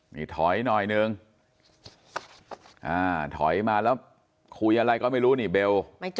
นี่ถอยหน่อยนึงถอยมาแล้วคุยอะไรก็ไม่รู้นี่เบล